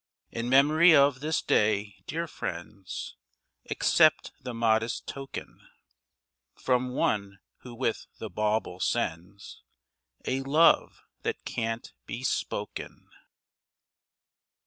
In memory of this Day, dear friends, Accept the modest token From one who with the bauble sends A love that can't be spoken.